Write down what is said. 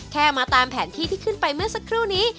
แค่มาตามแผนที่ที่ขึ้นไปเมื่อสักครู่นี้